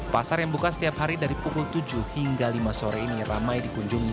pasar yang buka setiap hari dari pukul tujuh hingga lima sore ini ramai dikunjungi